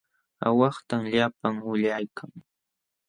Aawahtam llapan ulyaykan.